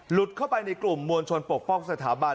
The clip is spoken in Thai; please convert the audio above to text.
เข้าไปในกลุ่มมวลชนปกป้องสถาบัน